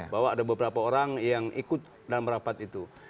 bahwa ada beberapa orang yang ikut dalam rapat itu